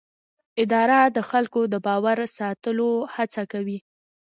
اداره د خلکو د باور ساتلو هڅه کوي.